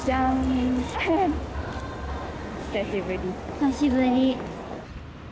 久しぶり。